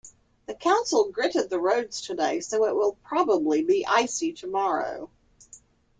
The council gritted the roads today, so it will probably be Icy tomorrow.